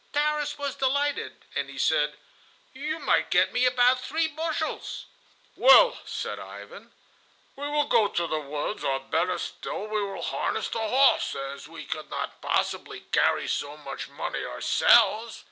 Tarras was delighted, and he said, "You might get me about three bushels." "Well," said Ivan, "we will go to the woods, or, better still, we will harness the horse, as we could not possibly carry so much money ourselves."